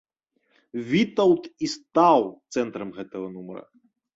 Вітаўт і стаў цэнтрам гэтага нумара.